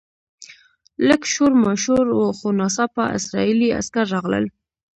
لږ شور ماشور و خو ناڅاپه اسرایلي عسکر راغلل.